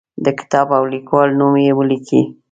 د کتاب او لیکوال نوم یې ولیکئ.